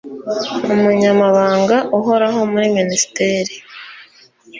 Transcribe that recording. umunyamabanga uhoraho muri minisiteri